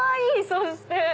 そして。